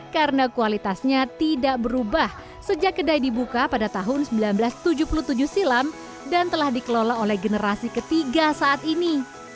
karena kualitasnya tidak berubah sejak kedai dibuka pada tahun seribu sembilan ratus tujuh puluh tujuh silam dan telah dikelola oleh generasi ketiga saat ini